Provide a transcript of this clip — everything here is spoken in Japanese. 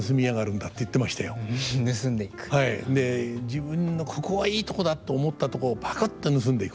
自分の「ここはいいとこだと思ったとこをぱくっと盗んでいく」と。